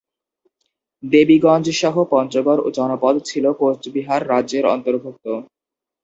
দেবীগঞ্জ সহ পঞ্চগড় জনপদ ছিল কোচবিহার রাজ্যের অন্তর্ভুক্ত।